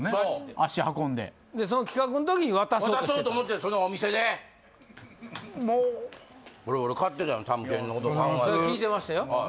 足運んででその企画の時に渡そうと渡そうと思ってそのお店でもうこれ俺買ってたのよたむけんのことを考えてそれ聞いてましたよ